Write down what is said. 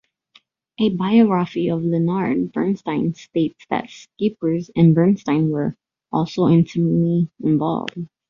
A biography of Leonard Bernstein states that Schippers and Bernstein were also intimately involved.